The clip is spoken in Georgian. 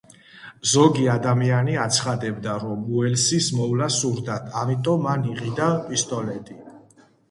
ზოგი ადამიანი აცხადებდა, რომ უელსის მოვლა სურდათ, ამიტომ მან იყიდა პისტოლეტი.